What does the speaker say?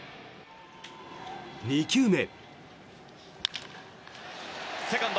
２球目。